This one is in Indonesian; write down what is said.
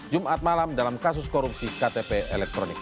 jumat malam dalam kasus korupsi ktp elektronik